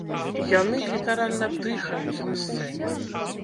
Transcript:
Яны літаральна дыхаюць на сцэне!